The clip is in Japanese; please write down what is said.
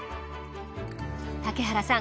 竹原さん